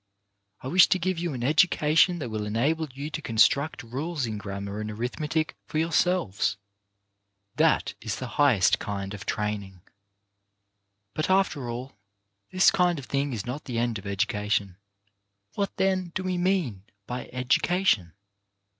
I wish to give you an education that will enable you to con struct rules in grammar and arithmetic for your selves. That is the highest kind of training. But, after all, this kind of thing is not the end of education. What, then, do we mean by educa tion